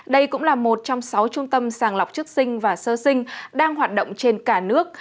đây cũng là một trong sáu trung tâm sàng lọc chức sinh và sơ sinh đang hoạt động trên cả nước